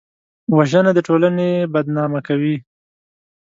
وژنه د ټولنې بدنامه کوي